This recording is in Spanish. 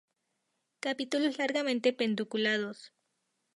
Capítulos largamente pedunculados.